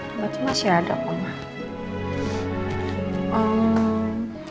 obatnya masih ada mama